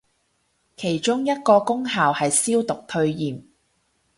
其中一個功效係消毒退炎